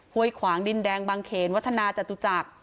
ห้วยขวางดินแดงบางเขนวัฒนาจตุจักร